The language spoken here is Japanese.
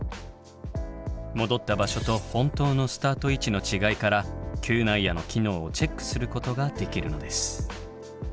戻った場所と本当のスタート位置の違いから嗅内野の機能をチェックすることができるのです。